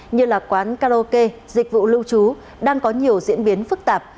như là quán karaoke dịch vụ lưu trú đang có nhiều diễn biến phức tạp